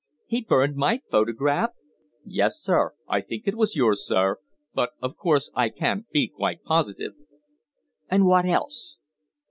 "He burned my photograph!" "Yes, sir. I think it was yours, sir but of course I can't be quite positive." "And what else?"